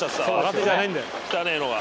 汚ぇのが。